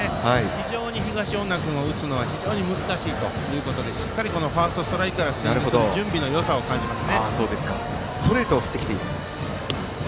非常に東恩納君を打つのは難しいということでしっかりファーストストライクからスイングする準備のよさを感じます。